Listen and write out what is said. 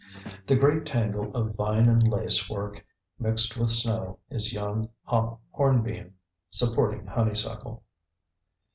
The great tangle of vine and lace work mixed with snow is young hop hornbeam, supporting honeysuckle.